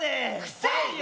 臭いよ！